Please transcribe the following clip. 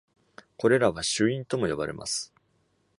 これらは「主因」とも呼ばれます。